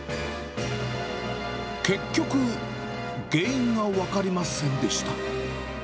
結局、原因が分かりませんでした。